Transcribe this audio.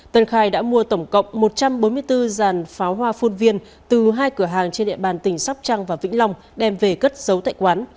tân khai đã mua tổng cộng một trăm bốn mươi bốn dàn pháo hoa phun viên từ hai cửa hàng trên địa bàn tỉnh sóc trăng và vĩnh long đem về cất giấu tại quán